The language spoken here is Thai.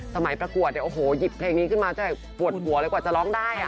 ประกวดเนี่ยโอ้โหหยิบเพลงนี้ขึ้นมาจะปวดหัวเลยกว่าจะร้องได้